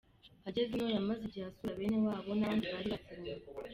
Ageze ino yamaze igihe asura bene wabo n’abandi bari baziranye.